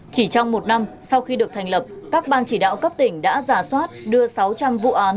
chỉ trong một năm sau khi được thành lập các ban chỉ đạo cấp tỉnh đã giả soát đưa sáu trăm linh vụ án